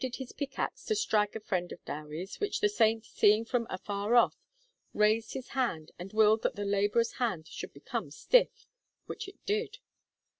A labourer lifted his pickaxe to strike a friend of Dewi's, which the saint seeing from afar off, raised his hand and willed that the labourer's hand should become stiff which it did.